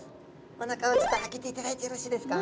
おなかをちょっと開けていただいてよろしいですか？